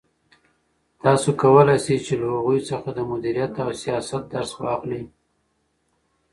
تاسو کولای شئ چې له هغوی څخه د مدیریت او سیاست درس واخلئ.